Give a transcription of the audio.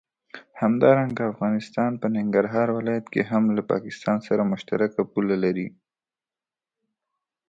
همدارنګه افغانستان په ننګرهار ولايت کې هم له پاکستان سره مشترکه پوله لري.